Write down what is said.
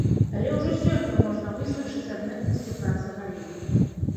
Але ўжо сёння можна вызначыць адметнасці працы галіны.